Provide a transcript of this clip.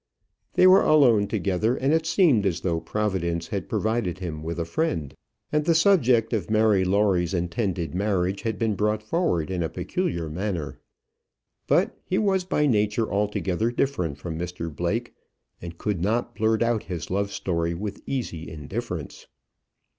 They were alone together, and it seemed as though Providence had provided him with a friend. And the subject of Mary Lawrie's intended marriage had been brought forward in a peculiar manner. But he was by nature altogether different from Mr Blake, and could not blurt out his love story with easy indifference.